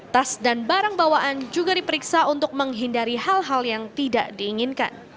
tas dan barang bawaan juga diperiksa untuk menghindari hal hal yang tidak diinginkan